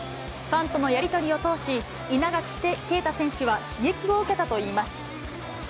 ファンとのやり取りを通し、稲垣啓太選手は刺激を受けたといいます。